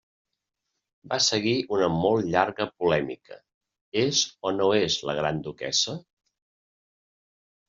Va seguir una molt llarga polèmica: és o no és la gran duquessa?